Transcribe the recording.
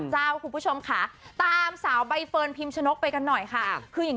คุณผู้ชมค่ะตามสาวใบเฟิร์นพิมชนกไปกันหน่อยค่ะคืออย่าง